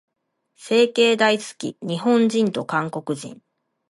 整形大好き、日本人と韓国人。